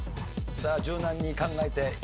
さあ柔軟に考えて。